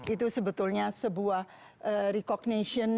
itu sebetulnya sebuah recognition